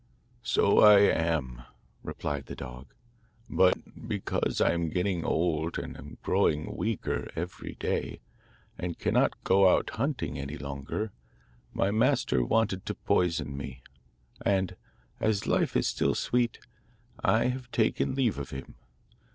'So I am,' replied the dog, 'but because I am getting old and am growing weaker every day, and cannot go out hunting any longer, my master wanted to poison me; and, as life is still sweet, I have taken leave of him.